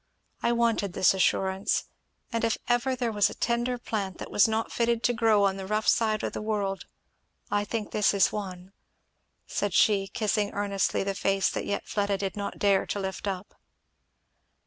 I wanted this assurance. And if ever there was a tender plant that was not fitted to grow on the rough side of the world I think this is one," said she, kissing earnestly the face that yet Fleda did not dare to lift up.